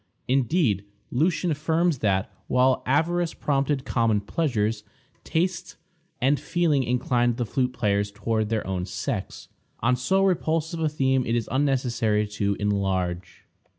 Indeed, Lucian affirms that, while avarice prompted common pleasures, taste and feeling inclined the flute payers toward their own sex. On so repulsive a theme it is unnecessary to enlarge.